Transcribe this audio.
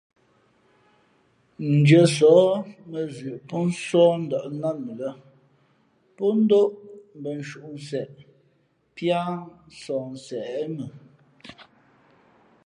Ndʉ̄αsǒh mά zʉʼ pó nsoh ndα̌ nát mʉ lά pó ndóʼ mbh nshúnseʼ píá sohnsěʼ mʉ.